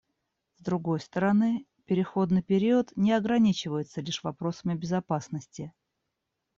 С другой стороны, переходный период не ограничивается лишь вопросами безопасности.